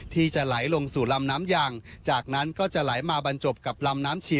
ที่จะไหลลงสู่ลำน้ำยังจากนั้นก็จะไหลมาบรรจบกับลำน้ำชี